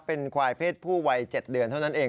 เป็นควายเพศผู้วัย๗เดือนเท่านั้นเอง